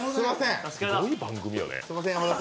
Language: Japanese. すごい番組よね。